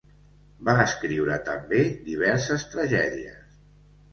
Va escriure també diverses tragèdies.